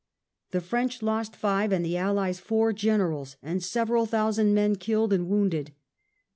The French lost five, and the Allies four generals, and several thousand men killed and wounded.